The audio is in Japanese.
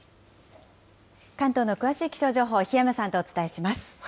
関東の詳しい気象情報、檜山さんとお伝えします。